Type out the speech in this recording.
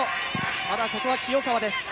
ただここは清川です。